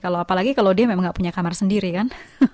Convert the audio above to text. apalagi kalau dia gak punya kamar sendiri kan